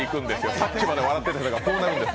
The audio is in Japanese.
さっきまで笑っていた人がこうなるんですよ。